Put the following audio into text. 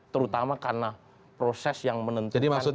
terutama karena proses yang menentukan